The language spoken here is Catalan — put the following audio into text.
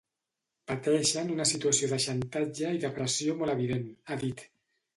Pateixen una situació de xantatge i de pressió molt evident, ha dit.